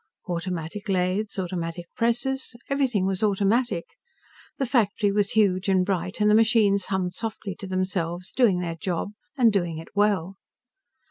Automatic lathes, automatic presses everything was automatic. The factory was huge and bright, and the machines hummed softly to themselves, doing their job and doing it well.